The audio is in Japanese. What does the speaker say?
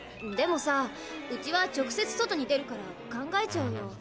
でもさうちは直接外に出るから考えちゃうよ。